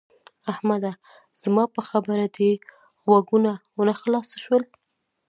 احمده! زما په خبره دې غوږونه خلاص شول؟